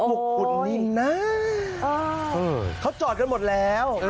มุกกุ่นนี้น่ะเขาจอดกันหมดแล้ว